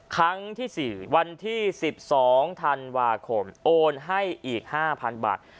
ครั้งที่๔วันที่๑๒ธันวาคมโอนให้อีก๕๐๐๐บาท